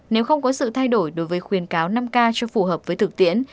nếu không có sự thay đổi đối với khuyến cáo năm k cho phù hợp với thực tiễn